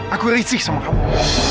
aku risih sama kamu